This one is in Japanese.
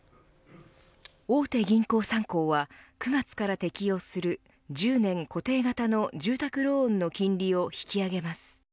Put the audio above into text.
大手銀行３行は９月から適用する１０年固定型の住宅ローンの金利を引き上げます。